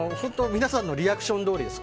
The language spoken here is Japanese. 皆さんのリアクションどおりです。